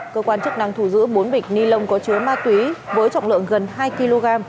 cơ quan chức năng thu giữ bốn bịch ni lông có chứa ma túy với trọng lượng gần hai kg